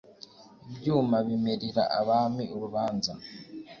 ibyuma bimerira abami urubanza?